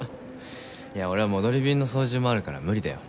いや俺は戻り便の操縦もあるから無理だよ。